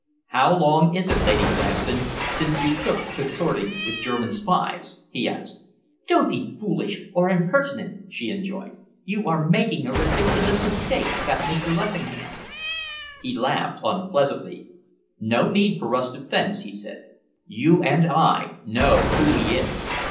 "How long is it, Lady Cranston, since you took to consorting with German spies?" he asked. "Don't be foolish or impertinent," she enjoined. "You are making a ridiculous mistake about Mr. Lessingham." He laughed unpleasantly. "No need for us to fence," he said. "You and I know who he is.